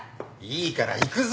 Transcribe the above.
いいから行くぞ！